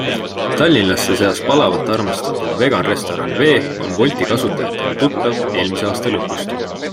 Tallinlaste seas palavalt armastatud Vegan Restoran V on Wolti kasutajatele tuttav eelmise aasta lõpust.